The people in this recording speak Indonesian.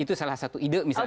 itu salah satu ide misalnya